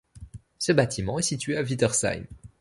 Ce bâtiment est situé à Wittersheim.